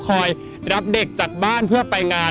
รับเด็กจากบ้านเพื่อไปงาน